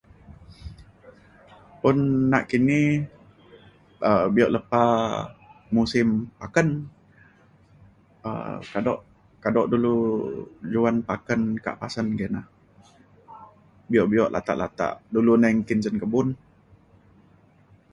un nakini um bio lepa musim paken um kado kado dulu juan paken kak pasen kina. bio bio latak latak dulu nai nggin cin kebun.